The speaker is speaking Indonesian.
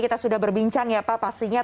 kita sudah berbincang ya pak pastinya